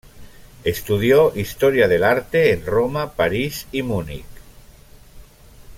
Estudió historia del arte en Roma, París y Múnich.